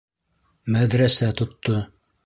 Мәҙрәсә тотто.